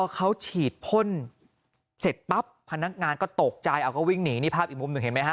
เขาฉีดพ่นเสร็จปั๊บพนักงานก็ตกใจเอาก็วิ่งหนีนี่ภาพอีกมุมหนึ่งเห็นไหมฮะ